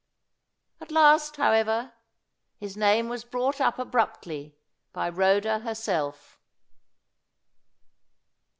At last, however, his name was brought up abruptly by Rhoda herself.